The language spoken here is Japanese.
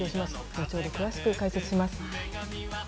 後ほど詳しく解説します。